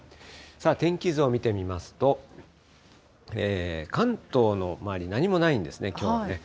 天気図を見てみますと、関東の周り、何もないんですね、きょうはね。